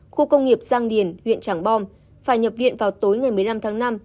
khu công nghiệp giang điền huyện trảng bom phải nhập viện vào tối ngày một mươi năm tháng năm